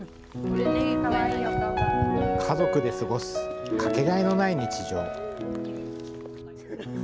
家族で過ごす、掛けがえのない日常。